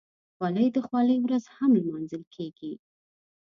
خولۍ د خولۍ ورځ هم لمانځل کېږي.